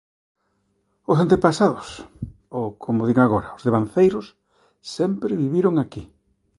Os antepasados ou como din agora, os devanceiros, sempre viviron aquí